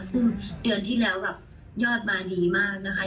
ซึ่งเดือนที่แล้วแบบยอดมาดีมากนะคะ